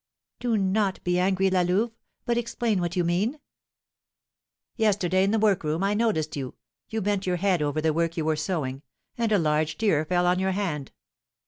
"Do not be angry, La Louve, but explain what you mean." "Yesterday, in the workroom, I noticed you, you bent your head over the work you were sewing, and a large tear fell on your hand.